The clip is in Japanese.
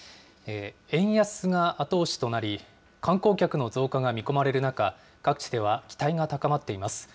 円安が後押しとなり、観光客の増加が見込まれる中、各地では期待が高まっています。